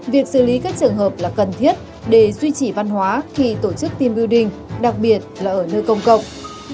việc xử lý các trường hợp là cần thiết để duy trì văn hóa khi tổ chức team bưu đinh đặc biệt là ở nơi công cộng